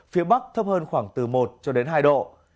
phía bắc thấp hơn khoảng từ một cho đến hai độ